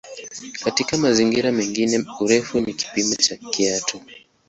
Katika mazingira mengine "urefu" ni kipimo cha kitu.